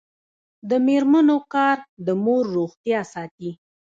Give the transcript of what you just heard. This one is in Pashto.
د میرمنو کار د مور روغتیا ساتي.